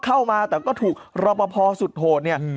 เข้ามาแต่ก็ถูกรอปภสุดโหดเนี่ย